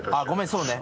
そうね。